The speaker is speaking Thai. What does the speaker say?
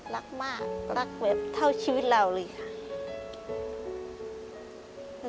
รักมากรักแบบเท่าชีวิตเราเลยค่ะ